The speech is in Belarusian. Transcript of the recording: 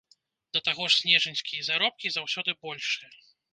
Да таго ж снежаньскія заробкі заўсёды большыя.